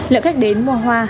lượng khách đến mua hoa